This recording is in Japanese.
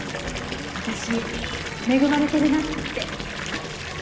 私恵まれてるなって。